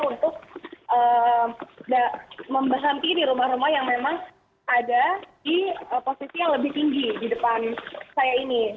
untuk membahampiri rumah rumah yang memang ada di posisi yang lebih tinggi di depan saya ini